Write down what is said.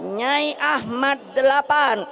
nyai ahmad dahlan